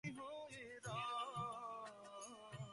খাবারটা আমার ঘরে পাঠাবার ব্যবস্থা করবেন?